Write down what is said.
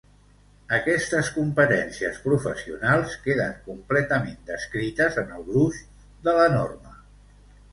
Aquestes competències professionals queden completament descrites en el gruix de la norma.